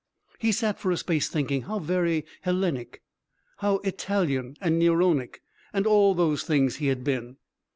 He sat for a space thinking how very Hellenic and Italian and Neronic, and all those things, he had been.